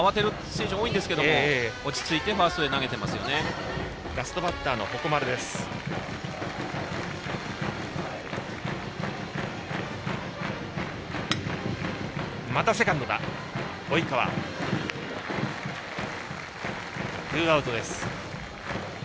ツーアウトです。